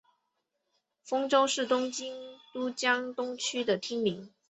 丰洲是东京都江东区的町名。